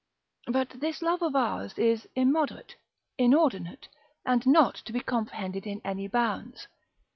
But this love of ours is immoderate, inordinate, and not to be comprehended in any bounds.